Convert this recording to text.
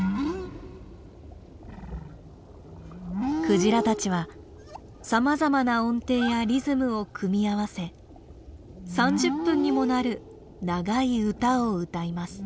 クジラたちはさまざまな音程やリズムを組み合わせ３０分にもなる長い歌を歌います。